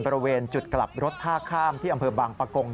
บริเวณจุดกลับรถท่าข้ามที่อำเภอบางปะกง